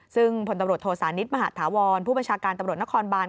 ซึ่งผลตำรวจโทษานิทมหาธาวรผู้บัญชาการตำรวจนครบาน